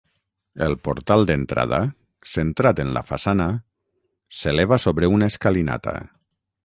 El portal d'entrada, centrat en la façana, s'eleva sobre una escalinata.